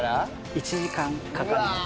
１時間かかります。